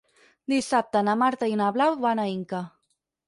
Dissabte na Marta i na Blau van a Inca.